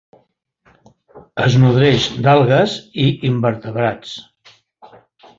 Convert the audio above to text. Es nodreix d'algues i invertebrats.